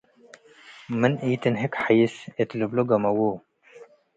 ምን ኢትንህቅ ሐይስ” እት ልብሎ ገመዎ'።